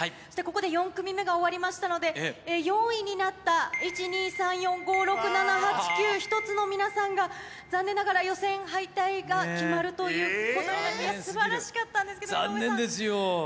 そしてここで４組目が終わりましたので、４位になった１２３４５６７８９の皆さんが残念ながら、予選敗退が決まるということに、すばらしかったんですけど、残念ですよ。